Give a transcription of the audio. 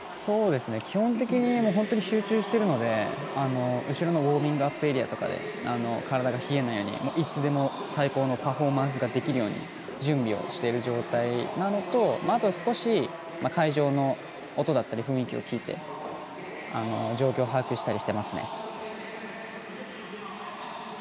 基本的に本当に集中しているので後ろのウォーミングアップエリアとかで体が冷えないようにいつでも最高のパフォーマンスができるように準備をしている状態なのとあと、少し会場の音だったり雰囲気を聞いて状況を把握したりしていますね。